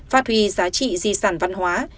phát huy giá trị di sản văn hóa